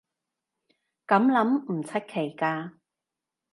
噉諗唔出奇㗎